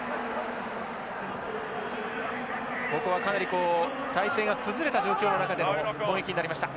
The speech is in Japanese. ここはかなり体勢が崩れた状況の中での攻撃になりました。